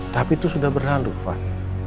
tapi itu sudah berlalu pak